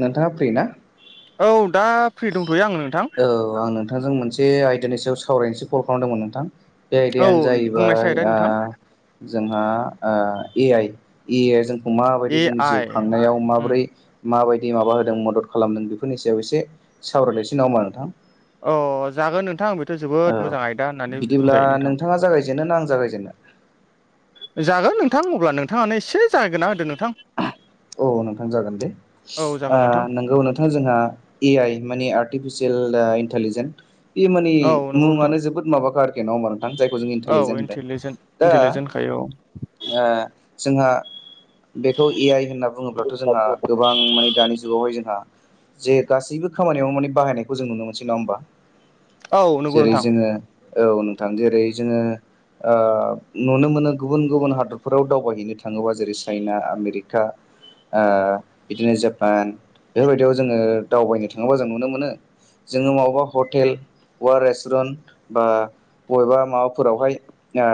नोंथाङा फ्रि ना [inaudible] औ दा फ्रि दंथ'यो आं नोंथां औ आं नोंथांजों मोनसे आयदानि सायाव सावरायनोसो कल खालामदोंमोन नोंथां। बे औ आयदायानो बुंनायसै जाहैबाय आयदा नोंथां जोंहा ए आइ ए आ आ जों माबायदि ए जोंनि जिउ आइ खांनायाव माबोरै माबायदि माबा होदों मदद खालामदों बेफोरनि सायाव एसे सावरायनोसै नङा होम्बा नोंथां? अ जागोन नोंथां बेथ' औ जोबोद मोजां आयदा होननानै बिदिब्ला बुंजायो नोंथां। नोंथाङा जागायजेनो ना आं जागायजेननो जागोन नोंथां अब्ला नोंथाङानो एसे जागायगोरना होदो नोंथां। औ नोंथां जागोन दे औ जागोन नोंथां नोंगौ नोंथां जोंहा ए आइ माने आर्टिफिसियेल इन्टेलिजेन्ट बे मानि औ नंगौ नोंथां मुङानो जोबोद माबाखा आरोखि नङा होम्बा? जायखौ जों औ इटलिजेन्ट इन्टेलिजेन्ट होनदों। दा इन्टेलिजेन्टखायो ओ जोंहा बेखौ ए आइ होन बुङोब्लाथ' औ जोंहा गोबां माने दानि जुगावहाय जोंहा जे गासैबो खामानियाव माने बाहायनायखौ जों नुनो मोनसै नङा होमबा औ नंगौ जेरै नोंथां जोंङो औ नोंथां जेरै जोङो ओ नुनो मोनो गुबुन गुबुन हादरफोराव दावबायहैनो थाङोबा जेरै चाइना आमेरिका ओ बिदिनो जापान बेफोरबायदियाव जोंङो दावबायनो थाङोबा जों नुनो मोनो। जोंङो बबेबा हटेल बबेबा रेस्टुरेन्ट बा बबेबा माबाफोरावहाय ओ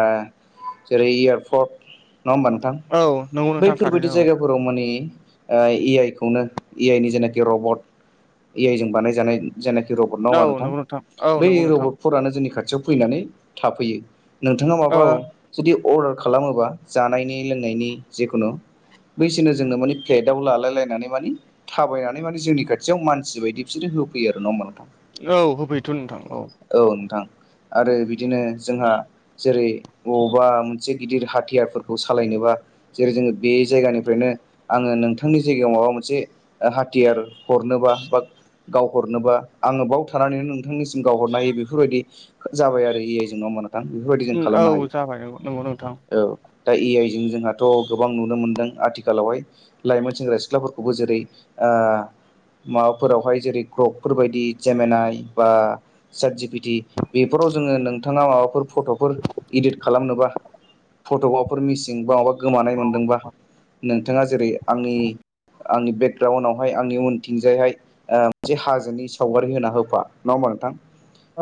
जेरै एयारपर्ट नङा होमबा नोंथां औ नंगौ नोंथां बैफोरबायदि थारैनो औ जायगा फोराव माने ए आइ खौनो ए आइ नि जेनाखि रबट ए आइ जों बानायजानाय जायनाखि रबट नङा औ होमबा नोंथां नंगौ औ बै नंगौ नोंथां रबट फोरानो जोंनि खाथियाव फैनानै थाफैयो नोंथाङा औ माबा जुदि अर्डार खालामोबा जानायनि लोंनायनि जिखुनु बैसोरनो जोंङो मानि फेटआव लालाय लायनानै माने थाबायनानै माने जोंनि खाथियाव मानसि बायदि बिसोरो होफैयो नङा होमबा नोंथां। औ होफैयोथ' नोंथां औ औ नोंथां आरो बिदिनो जोंहा जेरै बबावबा मोनसे गिदिर हाथियारफोरखौ सालायनोबा जेरै जोंङो बे जायगानि फ्रायनो आङो नोंथांनि जायगायाव माबा मोनसे हाथियार हरनोबा बा गावहरनोबा आङो बाव थानानैनो नों थांनि सिम गावहरनो हायो बेफोरबायदि जाबाय आरो ए आइ जों नङा होमबा नोंथां। बेफोरबायदि जों औ खालामनो हायो। जाबाय नंगौ नंगौ नोंथां औ दा ए आइ जों जोंहाथ' गोबां नुनो मोनदों आथि खालावहाय लाइमोन सेंग्रा सिख्लाफोरखौबो जेरै ओ माबाफोरावहाय जेरै ग्रकफोरबायदि जेमिनाय बा सातजिपिटि बेफोराव जोंङो नोंथाङा माबाफोर फट'फोर इदिट खालामनोबा फट'फोर मिसिं बा माबा गोमानाय मोनदोंबा नोंथाङा जेरै आंनि आंनि बेकग्राउडआवहाय आंनि उनथिंजायहाय ओ मोनसे हाजोनि सावगारि होना होबा नङा होमबा नोंथां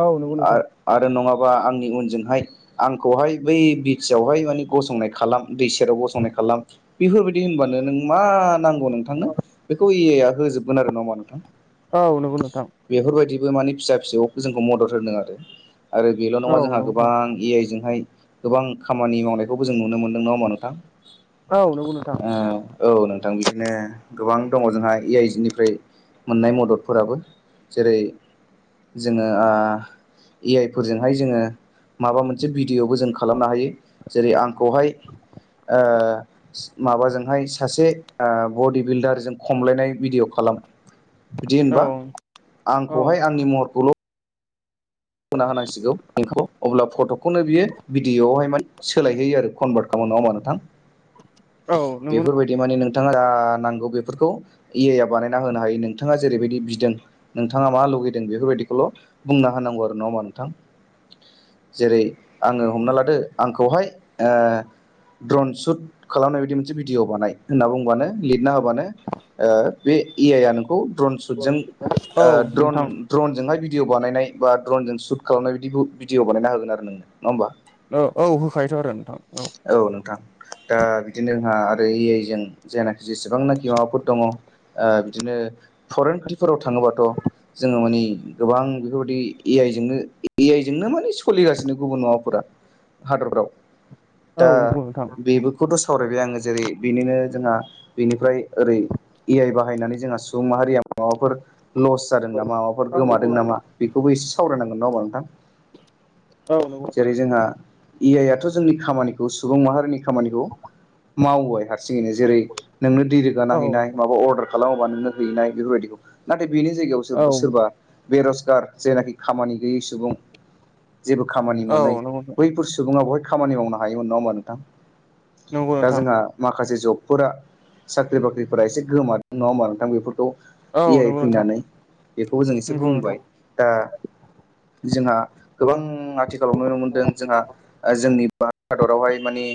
औ नंगौ नोंथां आरो नङाबा आंनि उनजोंहाय आंखौहाय बै बिस आवहाय माने गसंनाय खालाम दै सेराव गसंनाय खालाम। बेफोरबायदि होनबानो नों मा नांगौ नोंथांनो बेखौ ए आइ आ होजोबगोन आरो नङा होमबा नोंथां। औ नंगौ नोंथां बेफोरबायदिबो माने फिसा फिसौ जोंखौ मदद होदों आरो आरो बेल' औ नङा जोंहा नंगौ नोंथां गोबां ए आइ जोंहाय गोबां खामानि मावनायखौबो जों नुनो मोन्दों नङा होमबा नोंथां। औ नंगौ नोंथां ओ औ नोंथां बिदिनो गोबां दङ जोंहा ए आइ निफ्राय मोननाय मददफोराबो। जेरै जोंङो ओ ए आइ फोरजोंहाय जोंङो माबा मोनसे भिडिय'बो जों खालामनो हायो। जेरै आंखौहाय ओ माबाजोंहाय सासे बडि बिल्दारजों खमलायनाय भिडिय' खालाम बिदि औ होनबा औ आंखौहाय आंनि महरखौल' होना होनांसिगौ आंखौ अब्ला फट'खौनो बियो भिडिअ'आवहाय माने सोलायहोयो आरो कनभार्ट खालाम नङा होमबा नोंथां। औ नंगौ बेफोरबाय दि माने नोंथाङा जा नांगौ बेफोरखौ ए आइ आ बानायना होनो हायो नोंथाङा जेरैबायदि बिदों नोंथाङा मा लुगैदों बेफोरबायदिखौल' बुंना होनांगौ आरो नङा होमबा नोंथां। जेरै आङो हमना लादो आंखौहाय ओ ड्रन सुट खालामनाय बायदि मोनसे भिडिअ' बानाय होनना बुंबानो लिरना होबानो ओ बे ए आइ आ नोंखौ द्रन सुटजों औ ओ ड्रन नोंथां ड्रनजोंहाय भिडिअ' बानायनाय बा ड्रनजों सुट खालामनाय बिदि भिडिअ' बानायना होगोन आरो नोंनो नङा होमबा? औ औ होखायोथ' आरो नोंथां औ। औ नोंथां दा बिदिनो जोंहा आरो ए आइ जों जायनाखि जेसेबांनाखि माबाफोर दङ। ओ बिदिनो फरेन खान्ट्रिफोराव थाङोबाथ' जोङो माने गोबां बेफोरबायदि ए आइजोंनो ए आइजोंनो माने सोलिगासिनो गुबुन माबाफोरा हादरफ्राव। औ दा नंगौ नोंथां बेफोरखौथ' सावरायबाय आङो जेरै बेनिनो जोंहा बेनिफ्राय ओरै ए आइ बाहायनानै जोंहा सुबुं माहारिया माबाफोर लस जादों नामा माबाफोर औ नंगौ गोमादों नोंथां नामा बेखौबो एसे सावरायनांगोन ना होमबा नोंथां? औ नंगौ जेरै जोंहा ए आइ आथ' जोंनि खामानिखौ सुबुं माहारिनि खामानिखौ मावबाय आ सिनो जेरै नोंनो दै रोगाना औ हैनाय माबा अर्डार खालामोबा नोंनो हैनाय बेफोरबायदिखौ नाथाय बेनि औ जायगायाव सोरबा बेरजगार जेनाखि खामानि गैयै सुबुं जेबो खामानि औ मोनै नंगौ बैफोर सुबुङा बहाय खामानि मावनो हायोमोन नङा होमबा नोंथां नंगौ दा नोंथां जोंहा माखासे जबफोरा साख्रि बाख्रिफोरा एसे गोमादों नङा होमबा नोंथां बेफोरखौ औ ए आइ नंगौ नोंथां फैनानै बेखौ जों एसे नंगौ नोंथां बुंबाय दा जोंहा गोबां आथिखालाव नुनो मोनदों जोंहा ओ जोंनि हादरावहाय माने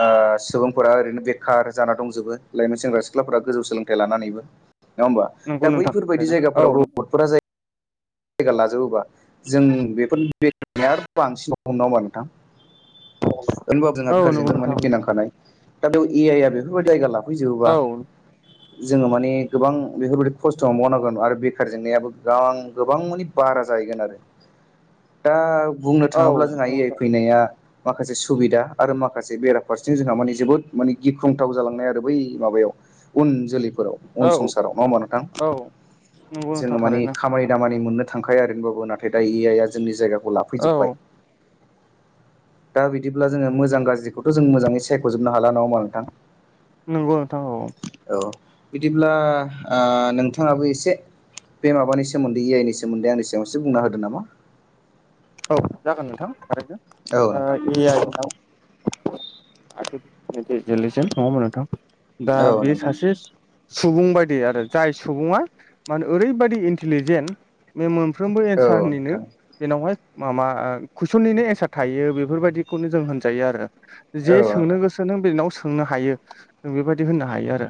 ओ सुबुंफोरा ओरैनो बेखार जाना दंजोबो लाइमोन सेंग्रा सिख्लाफोरा गोजौ सोलोंथाइ लानानैबो। नङा हबा नंगौ दा नोंथां बैफोरबायदि औ जायगाफोराव रबदफोरा जाय गा लाजोबोबा जों बेफोर [unintelligible] आरो बांसिनाव [unintelligible] होमबा नोंथां होनबाबो जोंहा नंगौ बेखारजों नोंथां माने बिनांखानाय दा बेयाव ए आइआ बेफोरबायदि जायगा ला [unintelligible] फैजोबोबा औ जोङो माने गोबां बेफोरबायाददि खस्थ'आव मावनांगोन आरो बेखार जेंनायाबो गोबां गोबां माने बारा जाहैगोन आरो दा बुंनो थाङोब्ला जोंहा ए आइ फैनाया माखासे सुबिदा आरो माखासे बेराफारसेंथिं जोंहा माने जोबोद माने गिख्रंथाव जालांनाय आरो बै माबायाव। उन जोलै उन औ संसाराव नङा होमबा नोंथां? औ नंगौ नोंथां जोङो मानि थारैनो खामानि दामानि मोननो थांखाया नोबाबो नाथाय दा ए आइ आ जोंनि जायगाखौ औ लाफैजोब्बाय। दा बिदिब्ला जोङो मोजां गाज्रिखौथ' जों मोजाङै सायख'जनो हाला नङा होमबा नोंथां? नंगौ नोंथां औ औ बिदिब्ला नोंथाङाबो आ एसे बे माबानि सोमोन्दै ए आइ नि सोमोन्दै आंनि सिगाङाव एसे बुंना होदों नामा? औ जागोन नोंथां आरो औ नोंथां ए आइ [unintelligible] दा औ बे नोंथां सासे सुबुं बायदि आरो जाय सुबुङा मान ओरैबायदि इन्टेलिजेन्ट बे मोनफ्रोमबो औ एन्सारनिनो नोंथां जेनावहाय माबा कुइसननिनो एन्सार थायो बेफोरबायाददिखौनो जों होनजायो आरो औ जे सोंनो नोंथां गोसो नों बेनाव सोंनो हायो नों बेबायदि होननो हायो आरो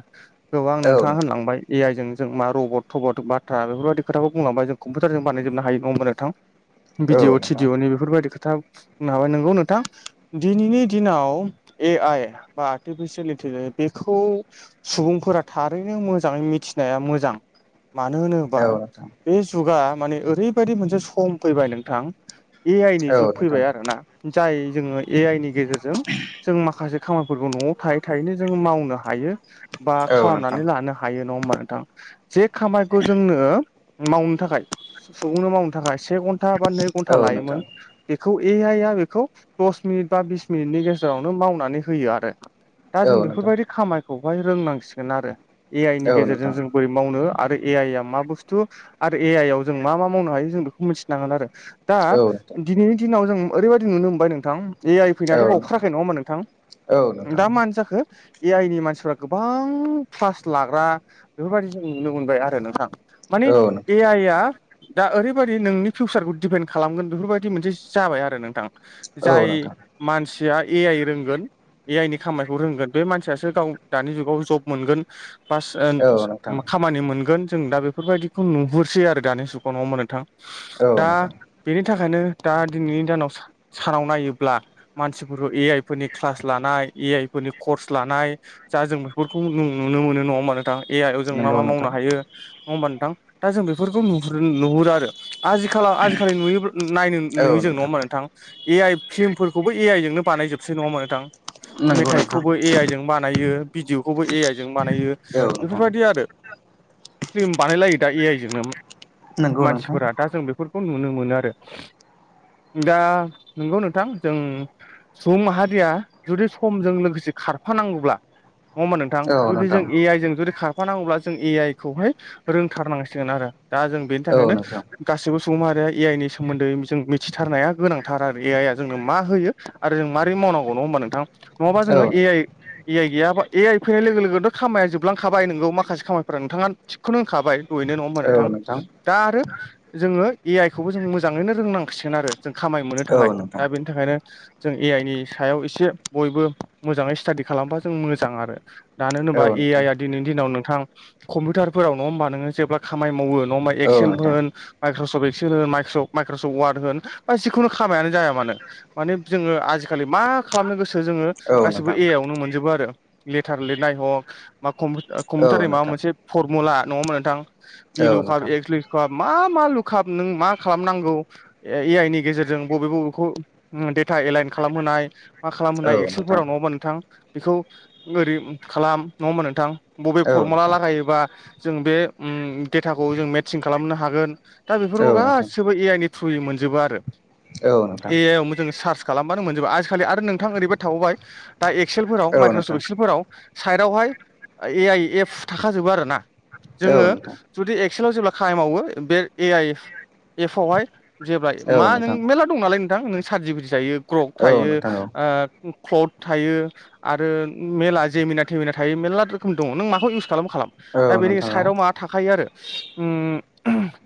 गोबां औ नोंथाङा नोंथां होनलांबाय ए आइजों जों मा रबट थबट बाथ्रा बेफोरदि खोथाखौ बुंलांबाय जों कम्पिउटारजों बानायजोबनो हायो नङा नोंथां? औ भिदिअ नोंथां थिडिअनि बेफोरबायदि खोथा बुंनो हाबाय नोंगौ नोंथां। दिनैनि दिनाव ए आइ बा आर्टिफिसियेल इन्टिलिजेन्स बेखौ सुबुंफोरा थारैनो मोजाङै मिथिनाया मोजां मानो होनो औ नोंथां बे जुगा माने ओरैबायदि मोनसे सम फैबाय नोंथां। ए आइ नि औ जुग नोंथां फैबाय आरो ना जाय जोङो ए आइ नि गेजेरजों जों माखासे खामानिफोरखौ न'आव थायै थायैनो जोङो मावनो हायो बा औ नोंथां खालामनानै लानो हायो नङा होमबा नोंथां जे खामायखौ जोंनो मावनो थाखाय सुबुंनो मावनो थाखाय से घन्टा बा नै औ घन्टा नोंथां लायोमोन बेखौ ए आइया बेखौ दस मिनिट बा बिस मिनिटनि गेजेरावनो मावनानै होयो आरो। दा औ जों नोंथां बेफोरबायदि खामायखौहाय रोंनांसिगोन आरो ए आइ नि औ नोंथां औ गेजेरजों नोंथां जों बोरै मावनो आरो ए आइ आ मा बुस्थु आरो ए आइ आव जों मा मा मावनो हायो जों बेखौ मोनथि नांगोन आरो दा औ दिनैनि दिनाव जों ओरैबायादि नुनो मोनबाय नोंथां ए आइ फैनायाथ' नोंथां बावथाराखै नङामोन नोंथां औ नोंथां दा मानो जाखो। ए आइ नि मानसिफ्रा गोबां क्लास लाग्रा बेफोरबायदि जों नुनो मोनबाय आरो नोंथां। माने औ नोंथां ए आइआ दा ओरैबायदि नोंनि फिउसारखौ दिपेन्ड खालामगोन बेफोरबायदि मोनसे जाबाय आरो नोंथां औ जाय नोंथां मानसिया ए आइ रोंगोन ए आइनि खामानिखौ रोंगोन बे मानसियासो गाव दानि जुगाव जब मोनगोन बास [unintelligible] खामानि मोनगोन जों दा बेफोरबायदिखौ नुहुरसै आरो दानि जुगाव नङा ओमबा नोंथां औ दा नोंथां बेनि थाखायनो दा दिनैनि दानाव सानाव नायोब्ला मानसिफोरखौ ए आइ फोरनि क्लास लानाय ए आइ फोरनि कर्स लानाय जा जों बेफोरखौ नुनो मोनो नङा ओमबा नोंथां। ए आइ आव जों मा मा मावनो हायो नङा ओमबा नोंथां दा जों बेफोरखौ नु नुहुरो आरो आजि आथिखालाव आजिखालि नुयो नायनो नुयो जों नङा ओमबा नोंथां। ए आइ फिल्मफोरखौबो ए आइ जोंनो बानाय जोबसै नङा ओमबा नोंथां? नंगौ नोंथां औ नोंथां नंगौ नोंथां मेथाइखौबो ए आइ जों बानायो भिडिअखौबो ए आइ जों बानायो। औ नोंथां बेफोरबायदि आरो। फिल्म बानायलायो दा ए आइ जोंनो नंगौ नोंथां मानसिफोरा दा जों बे बेफोरखौ नुनो मोनो आरो दा नोंगौ नोंथां जों सुबुं माहारिया जुदि समजों लोगोसे खारफानांगौब्ला नङा ओमबा नोंथां औ जुदि जों नोंथां ए आइ जों जुदि खा खारफानांगौब्ला जों ए आइ खौहाय रोंथारनांसिगोन आरो दा जों बेनि औ थाखायनो नोंथां गा सुबुं माहारिया ए आइ नि सोमोन्दै जों मिथिथारनाया गोनांथार आरो ए आइ आ जोंनो मा होयो आरो जों मारै मावनांगौ नङा ओमबा नोंथा नङाबा औ जोङो ए आइ ए आइ गैयाबा ए आइ फैनाय लोगो लोगोनथ' खामाया जोबलांखाबाय नोंगौ माखासे खामानिफोरा नोंथाङा थिगखौनो होनखाबाय। यैनो नङा होनबा नोंथां दा आरो जोङो ए आइ खौबो जों मोजाङैनो रोंनांसिगोन आरो। जों खामाय मोननो थाखाय औ दा नोंथां बेनि थाखायनो जों ए आइ नि सायाव एसे बयबो मोजाङै स्टाादि खालामबा जों मोजां आरो। मानो होनोबा औ ए नोंथां आइ आ दिनैनि दिनाव नोंथां कम्पिउटारफोराव नङा ओमबा नोङो जोबोद खामानि मावो नङाबा औ एक्सेल नोंथां होन माइक्रसफ्ट सोरो माइक्र' माइक्र'सफ्ट वार्ड होना जिखुनु खामानियानो जाय मानो माने जोङो आजिखालि मा खालामनो गोसो जोङो औ नोंथां औ नोंथां औ गासिबो नोंथां ए आइ आवनो मोनजोबो आरो लेटार लिरनाय हग बा कम औ कम्पिउटारनि माबा मोनसे नोंथां फरमुला नङामोन नोंथां बि औ नोंथां लुकाप एग लुकाप मा मा लुकाप नों मा खालामनांगौ ए आइ नि गेजेरजों बबे बबेखौ डेटा एलाइन खालामहोनाय मा खालामनाय औ नोंथां एक्सेलफोराव नङा ओनबा नोंथां बेखौ ओरै खालाम नङा ओमबा नोंथां? बबे फरमुला औ लागायोबा जों बे उम डेटाखौ जों मेटसिं खालामनो हागोन दा बेफोरखौ नोंथां गाैबो ए आइ नि थ्रुयै मोनजोबो आरो ए आइ आवनो जों सार्च खालामबानो मोनजोबा आजिखालि आरो नोंथां ओरैबायदि थाबावबाय दा एक्सेलफोराव औ माइक्रसफ्ट नोंथां एक्सेलफोराव साइडआवहाय ए आइ एप्स थाखाजोबो आरो ना। औ जोङो नोंथां जुदि एक्सेलाव जेब्ला खामानि मावो बे ए आइ एफ आवहाय जेब्ला औ मा नों नोंथां मेरला दं नालाय नोंथां नों सात जिपिति थायो ग्रग औ थायो नोंथां औ ओ क्लथ थायो आरो मेरला जेमिना थेमिना थायो मेरला रोखोम दङ नों माखौ इउस खालाम खालाम दा औ बेनि नोंथां साइडआव औ मा थाखायो आरो उम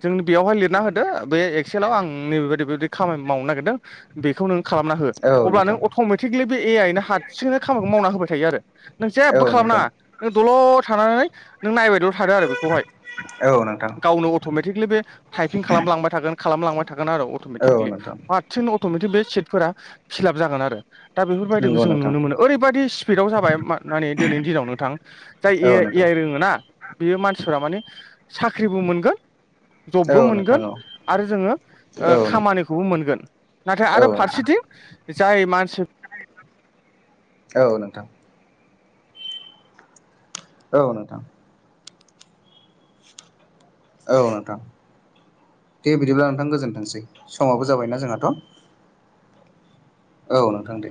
जों बेयावहाय लिरना होदो बे एक्सेलाव आं नै बे बायदि बेबायदि खामानि मावनो नागिरदों बेखौ नों खालामना हो औ अब्ला नों नोंथां अट'मेटिकेलि बे ए आइनो हारसिंनो खामानिखौ मावना होबाय थायो आरो। नों जेबो औ नोंथां खालामनाङा नों दल' थानानै नों नायबायदल' थादो आरो बेखौहाय औ नोंथां गावनो अट'मेटिकेलि बे टाइपिं खालामलांबाय थागोन खालामलांबाय थागोन आरो औ अट'मेटिकलि नोंथां हारसिंनो अट'मेटिक बे सिटफोरा फिलाप जागोन आरो दा बेफोरबायदिखौ नंगौ जों नोंथां नुनो मोनो। ओरैबायादि स्पिडआव जाबाय मा माने दिनैनि दिनाव नोंथां जाय ए औ आइ ए नोंथां आइ रोङोना बेयो मानसिफोरा माने साख्रिबो मोनगोन जबबो औ नोंथां मोनगोन औ आरो जोङो ओ औ नोंथां खामानिखौबो मोनगोन नाथाय औ आरो नोंथां फारसेथिं जाय मानसि औ नोंथां औ नोंथां औ नोंथां दे बिदिब्ला नोंथां गोजोन्थोंसै समाबो जाबायना जोंहाथ' औ नोंथां दे